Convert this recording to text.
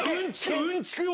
うんちく王。